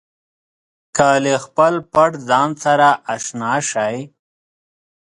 که له خپل پټ ځان سره اشنا شئ.